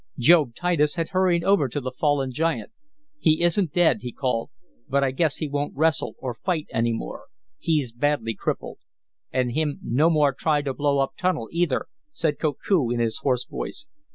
Job Titus had hurried over to the fallen giant. "He isn't dead," he called, "but I guess he won't wrestle or fight any more. He's badly crippled." "And him no more try to blow up tunnel, either," said Koku in his hoarse voice.